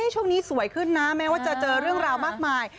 ช่วงนี้สวยขึ้นนะแม้ว่าจะเจอเรื่องราวมากมาย